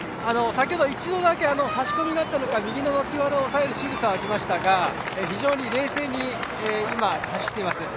一度だけ、差し込みがあったのか右の脇腹を押さえるしぐさがありましたが非常に冷静に走っています。